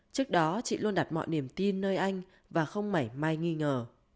trước đó chị luôn đặt mọi niềm tin nơi anh và không mảy mai nghi ngờ